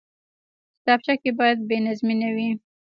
کتابچه کې باید بېنظمي نه وي